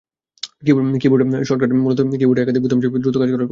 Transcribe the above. Keyboard shortcut মূলত কি-বোর্ডের একাধিক বোতাম চেপে দ্রুত কাজ করার কৌশল।